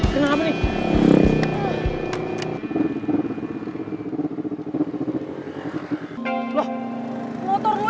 karena abis ini lo hidup jujur